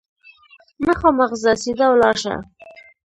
مخامخ ځه ، سیده ولاړ شه !